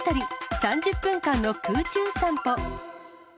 ３０分間の空中散歩。